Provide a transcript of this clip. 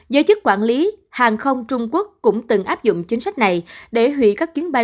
giới chức quản lý hàng không trung quốc cũng từng áp dụng chính sách này để hủy các chuyến bay